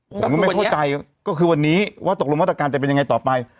ผมก็ไม่เข้าใจก็คือวันนี้ว่าตกลงมาตรการจะเป็นยังไงต่อไป